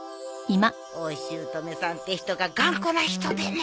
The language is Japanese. お姑さんって人が頑固な人でね。